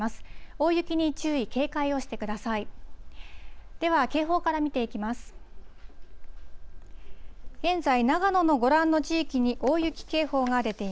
大雪に注意、警戒をしてください。